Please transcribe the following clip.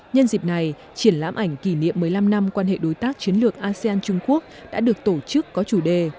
nhân dịp này triển lãm ảnh kỷ niệm một mươi năm năm quan hệ đối tác chiến lược asean trung quốc đã được tổ chức có chủ đề